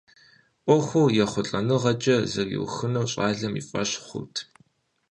Ӏуэхур ехъулӀэныгъэкӀэ зэриухынур щӀалэм и фӀэщ хъурт.